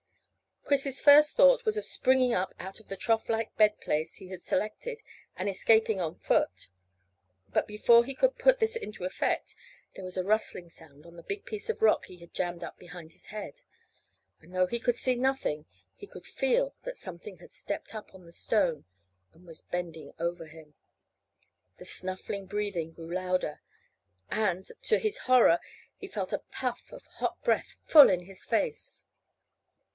Chris's first thought was of springing up out of the trough like bed place he had selected and escaping by the foot; but before he could put this into effect there was a rustling sound on the big piece of rock he had jammed in behind his head, and though he could see nothing he could feel that something had stepped up on to the stone and was bending over him; the snuffling breathing grew louder, and, to his horror, he felt a puff of hot breath full in his face.